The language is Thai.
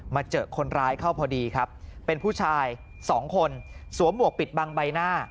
เจอคนร้ายเข้าพอดีครับเป็นผู้ชายสองคนสวมหมวกปิดบังใบหน้า